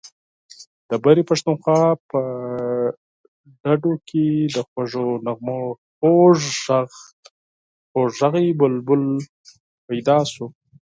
د برې پښتونخوا په ډډو کې د خوږو نغمو خوږ غږی بلبل پیدا شو.